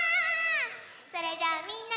それじゃあみんなで。